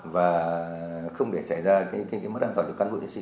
và không để xảy ra cái mất an toàn cho các người diễn sĩ